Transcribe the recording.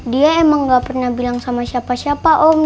dia emang gak pernah bilang sama siapa siapa om